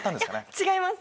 違います！